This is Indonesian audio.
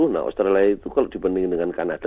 nah australia itu kalau dibandingin dengan kanada